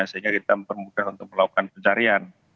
sehingga kita mempermudah untuk melakukan pencarian